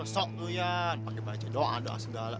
sok tuh yan pake baca doa doa segala